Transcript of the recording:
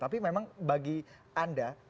tapi memang bagi anda yang melihat sebagai komunasional